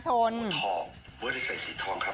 เตอร์ทองเตอร์โหวไฮเสียสีทองครับ